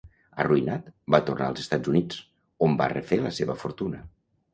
Arruïnat, va tornar als Estats Units, on va refer la seva fortuna.